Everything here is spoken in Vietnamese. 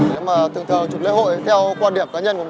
đời thường thì trong lễ hội thì dùng tele nhiều hơn